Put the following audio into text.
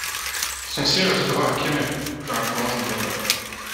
Son siège restera à Cameri dans la province de Novare.